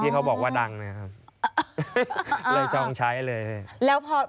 ที่เขาบอกว่าดังนะครับเลยชองใช้เลย